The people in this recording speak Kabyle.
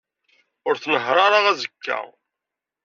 Ur tnehheṛ ara azekka.